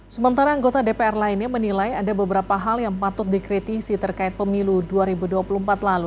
sementara anggota dpr lainnya menilai ada beberapa hal yang patut dikritisi terkait pemilu dua ribu dua puluh empat lalu